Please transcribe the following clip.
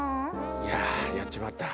いややっちまった。